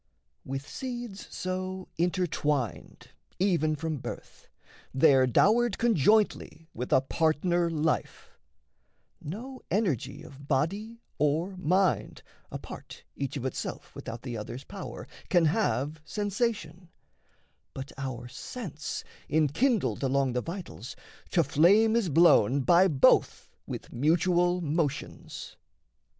With seeds so intertwined even from birth, They're dowered conjointly with a partner life; No energy of body or mind, apart, Each of itself without the other's power, Can have sensation; but our sense, enkindled Along the vitals, to flame is blown by both With mutual motions.